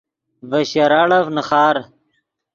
ڤے شراڑف نیخار